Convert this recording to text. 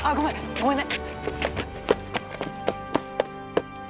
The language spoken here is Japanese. ごめんね！